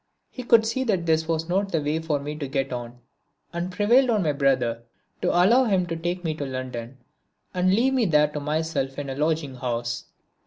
He could see that this was not the way for me to get on, and prevailed upon my brother to allow him to take me to London, and leave me there to myself in a lodging house.